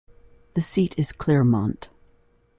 The seat is Clermont.